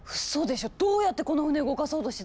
どうやってこの船動かそうとしてたわけ？